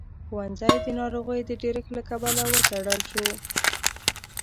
ښوونځی د ناروغيو د ډېرښت له کبله وتړل شو.